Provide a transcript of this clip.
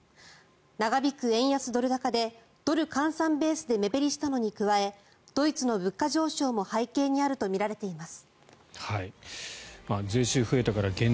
長引く円安・ドル高でドル換算ベースで目減りしたのに加えドイツの物価上昇も背景にあるとみられています。